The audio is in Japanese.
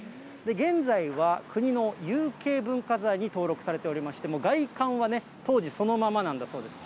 現在は国の有形文化財に登録されておりまして、もう外観は当時そのままなんだそうです。